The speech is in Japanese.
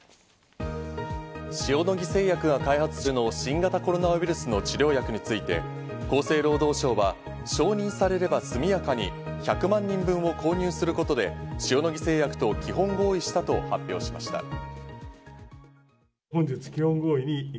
塩野義製薬が開発中の新型コロナウイルスの治療薬について、厚生労働省は承認されれば速やかに１００万人分を購入することで、塩野義製薬と基本合意したと発表しました。